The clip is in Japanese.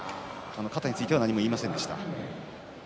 肩については何も言いませんでした。